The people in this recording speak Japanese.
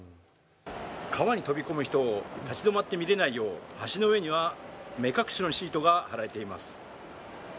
川に飛び込む人を立ち止まって見れないよう橋の上には目隠しのシートが張られています。